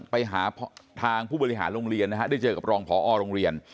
ไปหาทางผู้บริหารโรงเรียนนะฮะได้เจอกับรองพอโรงเรียน